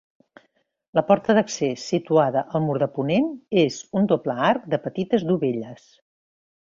La porta d'accés, situada al mur de ponent, és un doble arc de petites dovelles.